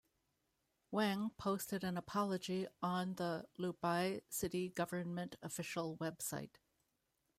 Wang posted an apology on the Luobei city government official website.